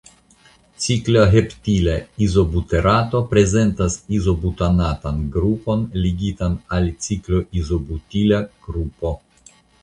Cikloheptila izobuterato prezentas izobutanatan grupon ligitan al cikloizobutila grupo.